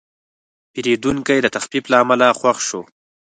پیرودونکی د تخفیف له امله خوښ شو.